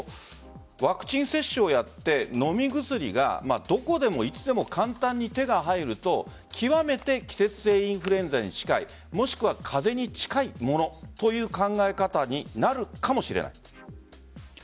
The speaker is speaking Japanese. ワクチン接種をやって飲み薬がどこでもいつでも簡単に手が入ると極めて季節性インフルエンザに近いもしくは風邪に近いものという考え方になるかもしれない。